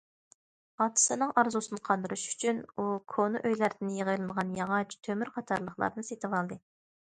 ئاتىسىنىڭ ئارزۇسىنى قاندۇرۇش ئۈچۈن ئۇ كونا ئۆيلەردىن يىغىۋېلىنغان ياغاچ، تۆمۈر قاتارلىقلارنى سېتىۋالدى.